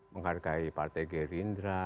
menghargai partai gerindra